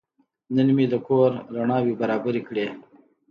نن مې د کور رڼاوې برابرې کړې.